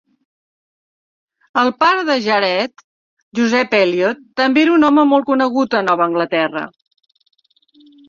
El pare de Jared, Joseph Eliot, també era un home molt conegut a Nova Anglaterra.